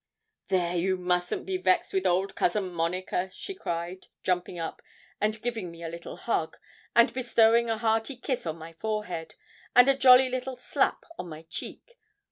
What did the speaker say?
'There, you mustn't be vexed with old Cousin Monica,' she cried, jumping up, and giving me a little hug, and bestowing a hearty kiss on my forehead, and a jolly little slap on my cheek.